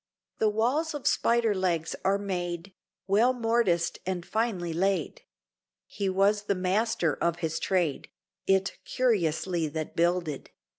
The walls of spiders' legs are made, Well morticed and finely laid; He was the master of his trade, It curiously that builded.